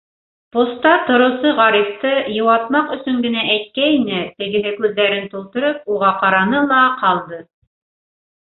Поста тороусы Ғарифты йыуатмаҡ өсөн генә әйткәйне, тегеһе күҙҙәрен тултырып уға ҡараны ла ҡалды.